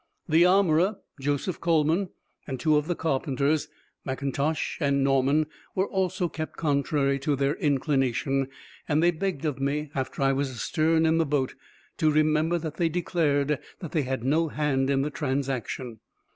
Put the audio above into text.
The armorer, Joseph Coleman, and two of the carpenters, M'Intosh and Norman, were also kept contrary to their inclination; and they begged of me, after I was astern in the boat, to remember that they declared that they had no hand in the transaction.